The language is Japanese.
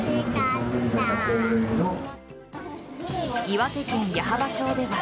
岩手県矢巾町では。